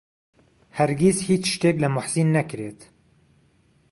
هەرگیز هیچ شتێک لە موحسین نەکڕیت.